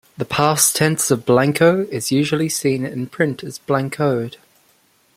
The past tense of blanco is usually seen in print as "blancoed".